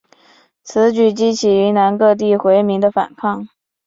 此举激起云南各地回民的反抗。